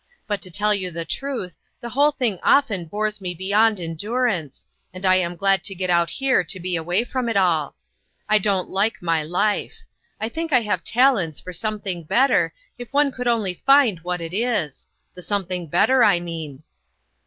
But, to tell you the truth, the whole thing often bores me beyond endurance, and I am glad to get out here to be away from it all. I don't like my life. I think I have talents for something better, if one could only find what it is the something better, I mean."